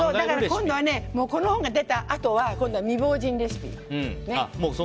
今度はね、この本が出たあとは味望人レシピ。